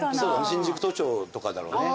新宿都庁とかだろうね。